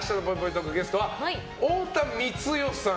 トークゲストは太田光代さん